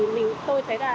thì tôi thấy là